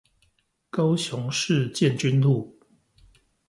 高雄市建軍路